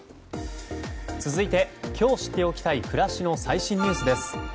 続いて今日知っておきたい暮らしの最新ニュースです。